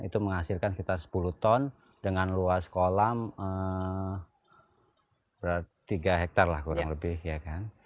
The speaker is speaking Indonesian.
itu menghasilkan sekitar sepuluh ton dengan luas kolam berat tiga hektare lah kurang lebih ya kan